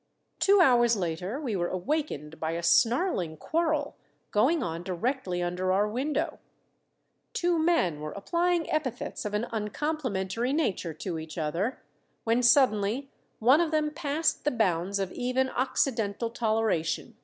Two hours later we were awakened by a snarling quarrel going on directly under our window. Two men were applying epithets of an uncomplimentary nature to each other, when suddenly one of them passed the bounds of even occidental toleration.